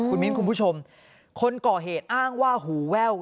คุณมิ้นคุณผู้ชมคนก่อเหตุอ้างว่าหูแว่ว